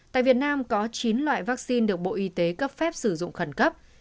tại việt nam có chín loại vaccine được bộ y tế cấp phép sử dụng khẩn cấp